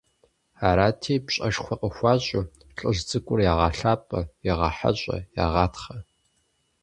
Арати, пщӀэшхуэ къыхуащӀу, лӀыжь цӀыкӀур ягъэлъапӀэ, ягъэхьэщӀэ, ягъатхъэ.